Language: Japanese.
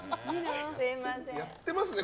やってますね